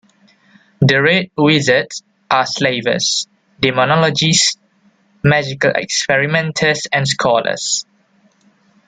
The Red Wizards are slavers, demonologists, magical experimenters and scholars.